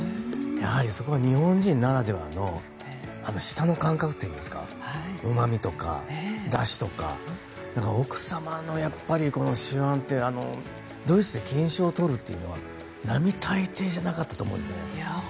そこが日本人ならではの舌の感覚といいますかうま味とか、だしとか奥様のこの手腕ってドイツで金賞を取るというのは並大抵じゃなかったと思うんです。